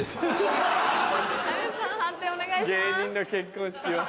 芸人の結婚式は。